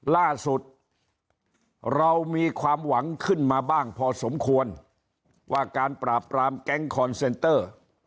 ล่าสุดเรามีความหวังขึ้นมาบ้างพอสมควรว่าการปราบปรามแก๊งคอนเซนเตอร์